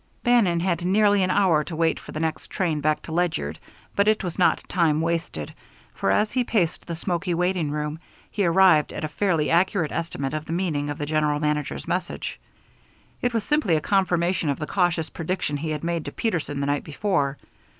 Bannon had nearly an hour to wait for the next train back to Ledyard, but it was not time wasted, for as he paced the smoky waiting room, he arrived at a fairly accurate estimate of the meaning of the general manager's message. It was simply a confirmation of the cautious prediction he had made to Peterson the night before.